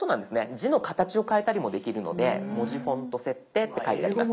字の形を変えたりもできるので「文字フォント設定」って書いてあります。